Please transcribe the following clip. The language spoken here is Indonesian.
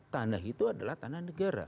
tanah itu adalah tanah negara